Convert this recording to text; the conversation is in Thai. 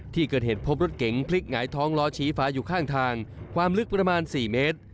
ที่เกิดเหตุพบรถเก๋งพลิกหงายท้องล้อชี้ฟ้าอยู่ข้างทางความลึกประมาณ๔เมตร